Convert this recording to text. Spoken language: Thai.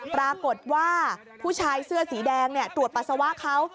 ปรากฏว่าผู้ชายเสื้อสีแดงตรวจปัสสาวะเขา